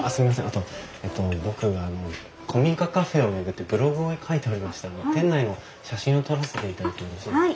あと僕あの古民家カフェを巡ってブログを書いておりまして店内の写真を撮らせていただいてもよろしいですか？